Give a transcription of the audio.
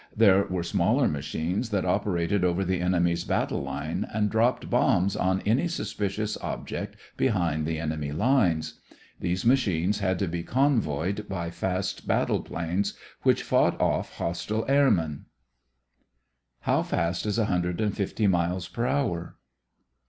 There were smaller machines that operated over the enemy's battle line and dropped bombs on any suspicious object behind the enemy lines. These machines had to be convoyed by fast battle planes which fought off hostile airmen. HOW FAST IS A HUNDRED AND FIFTY MILES PER HOUR?